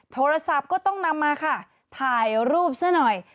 โทรศัพท์ก็ต้องนำมาค่ะถ่ายรูปซะหน่อย